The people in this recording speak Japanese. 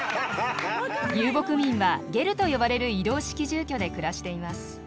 遊牧民はゲルと呼ばれる移動式住居で暮らしています。